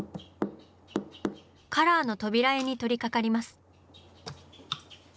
カラーの扉絵に取りかかります。